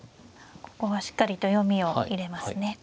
ここはしっかりと読みを入れますね。